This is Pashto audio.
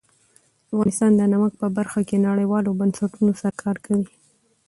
افغانستان د نمک په برخه کې نړیوالو بنسټونو سره کار کوي.